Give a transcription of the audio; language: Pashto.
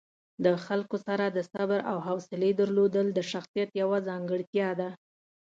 د خلکو سره د صبر او حوصلې درلودل د شخصیت یوه ځانګړتیا ده.